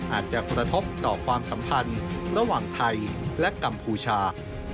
อาจจะกระทบต่อความสัมพันธ์ระหว่างไทยและกัมพูชา